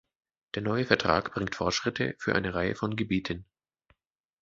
Der neue Vertrag bringt Fortschritte für eine Reihe von Gebieten.